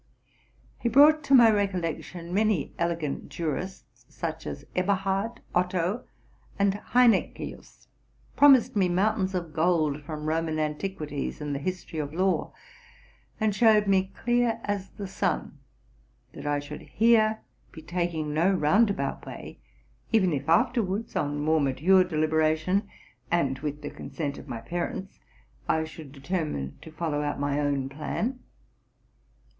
He brought to my recollection many elegant jurists, such as Eberhard, Otto, and Heineccius, promised me mountains of gold from Roman antiquities and the history of law, and showed me, clear as the sun, that I should here be taking no roundabout way, even if afterwards, on more mature delib eration, and with the consent of my parents, I should deter mine to follow out my own plan.